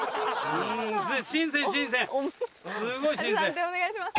判定お願いします。